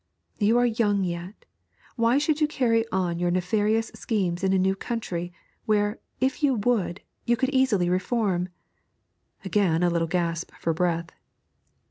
'You are young yet; why should you carry on your nefarious schemes in a new country, where, if you would, you could easily reform?' (Again a little gasp for breath.)